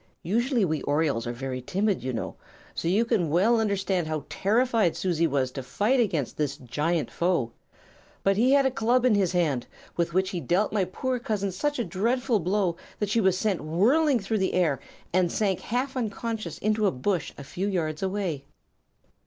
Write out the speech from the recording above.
Usually we orioles are very timid, you know; so you can well understand how terrified Susie was to fight against this giant foe. But he had a club in his hand, with which he dealt my poor cousin such a dreadful blow that she was sent whirling through the air and sank half unconscious into a bush a few yards away.